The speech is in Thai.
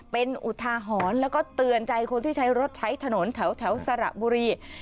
เป็นอุทาหรณ์แล้วก็เตือนใจคนที่ใช้รถใช้ถนนแถวสระบุรี